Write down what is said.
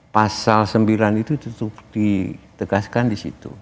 pasal sembilan itu ditegaskan di situ